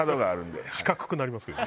四角くなりますけど。